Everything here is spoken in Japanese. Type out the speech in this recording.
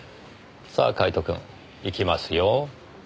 さあカイトくん行きますよ。